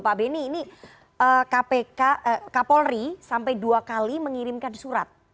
pak beni ini kapolri sampai dua kali mengirimkan surat